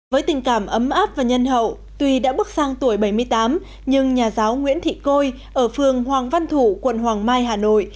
với tình cảm ấm áp và nhân hậu tuy đã bước sang tuổi bảy mươi tám nhưng nhà giáo nguyễn thị côi ở phường hoàng văn thủ quận hoàng mai hà nội